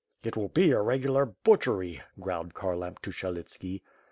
"It will be a regular butchery'^ growled Kharlamp to Syelitski.